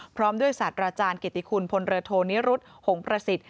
พร้อมด้วยสัตว์อาจารย์เกษตริคุณพลเตอร์โทนิรุธหงพระศิษฐ์